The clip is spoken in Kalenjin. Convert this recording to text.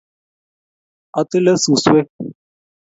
atile suskwek